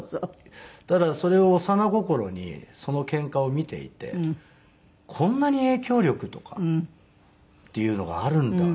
ただそれを幼心にそのけんかを見ていて「こんなに影響力とかっていうのがあるんだ」